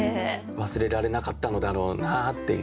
忘れられなかったのだろうなっていう。